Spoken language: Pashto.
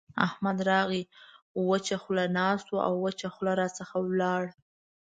احمد راغی؛ وچه خوله ناست وو او وچه خوله راڅخه ولاړ.